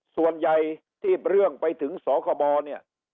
ส่วนใหญ่ที่เรื่องไปถึงสคบเนี่ย